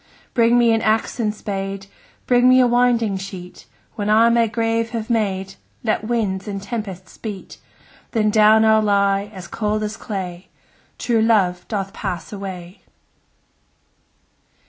Bring me an axe and spade, Bring me a winding sheet; When I my grave have made, 15 Let winds and tempests beat: Then down I'll lie, as cold as clay: True love doth pass away!